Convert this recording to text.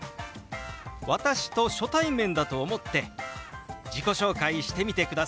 私と初対面だと思って自己紹介してみてください。